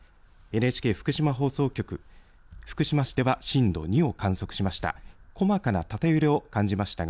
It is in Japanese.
ＮＨＫ福島放送局、福島市では震度２を観測しました。